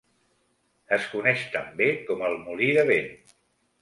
Es coneix també com el Molí de Vent.